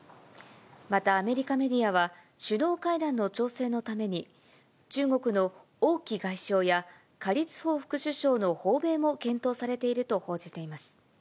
またアメリカメディアは、首脳会談の調整のために、中国の王毅外相や何立峰副首相の訪米も検討されていると報じています。